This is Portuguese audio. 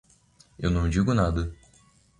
Eu não digo nada.